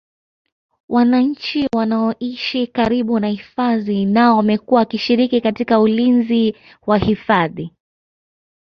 wananchi wanaoishi karibu na hifadhi nao wamekuwa wakishiriki katika ulinzi wa hifadhi